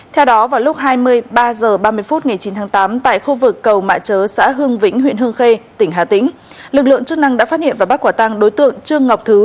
theo đó vào lúc hai mươi ba h ba mươi phút ngày chín tháng tám tại khu vực cầu mạ chớ xã hương vĩnh huyện hương khê tỉnh hà tĩnh lực lượng chức năng đã phát hiện và bắt quả tăng đối tượng trương ngọc thứ